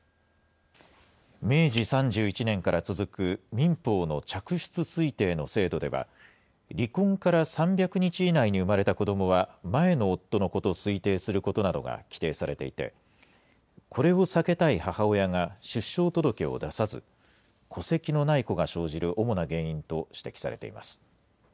明治３１年から続く民法の嫡出推定の制度では、離婚から３００日以内に産まれた子どもは前の夫の子と推定することなどが規定されていて、これを避けたい母親が出生届を出さず、戸籍のない子が生じる主な原因と指摘されています。